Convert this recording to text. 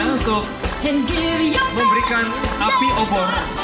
hanya untuk memberikan api obor